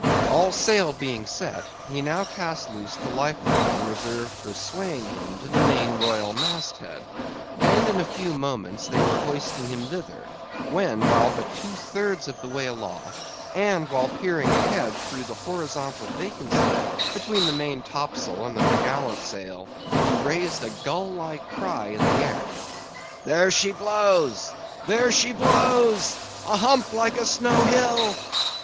All sail being set, he now cast loose the life line, reserved for swaying him to the main royal mast head; and in a few moments they were hoisting him thither, when, while but two thirds of the way aloft, and while peering ahead through the horizontal vacancy between the main top sail and top gallant sail, he raised a gull like cry in the air. "There she blows!—there she blows! A hump like a snow hill!